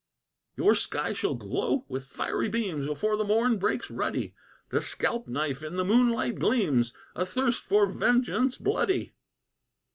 "Your sky shall glow with fiery beams Before the morn breaks ruddy! The scalpknife in the moonlight gleams, Athirst for vengeance bloody!"